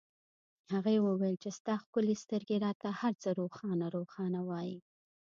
هغې وویل چې ستا ښکلې سترګې راته هرڅه روښانه روښانه وایي